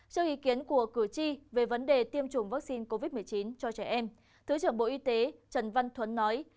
cho ý kiến của cử tri về vấn đề tiêm chủng vaccine covid một mươi chín cho trẻ em thứ trưởng bộ y tế trần văn thuấn nói